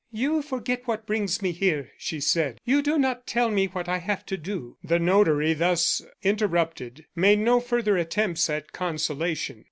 "You forget what brings me here," she said; "you do not tell me what I have to do!" The notary, thus interrupted, made no further attempts at consolation.